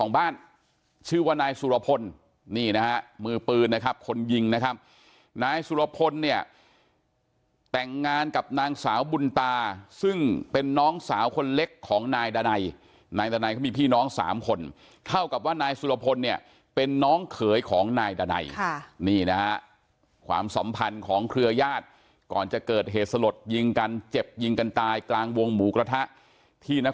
บ้านชื่อว่านายสุรพลนี่นะฮะมือปืนนะครับคนยิงนะครับนายสุรพลเนี่ยแต่งงานกับนางสาวบุญตาซึ่งเป็นน้องสาวคนเล็กของนายดานัยนายดานัยเขามีพี่น้องสามคนเท่ากับว่านายสุรพลเนี่ยเป็นน้องเขยของนายดานัยค่ะนี่นะฮะความสัมพันธ์ของเครือญาติก่อนจะเกิดเหตุสลดยิงกันเจ็บยิงกันตายกลางวงหมูกระทะที่น